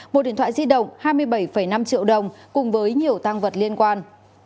một điện thoại di động hai mươi bảy năm triệu đồng cùng với nhiều tăng vật liên quan